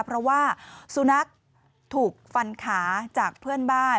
เพราะว่าสุนัขถูกฟันขาจากเพื่อนบ้าน